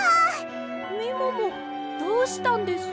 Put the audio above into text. みももどうしたんです？